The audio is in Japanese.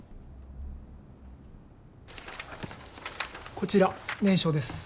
こちら念書です。